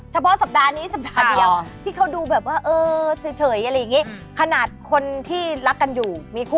ใช่เป็นเดือนที่นิ่ง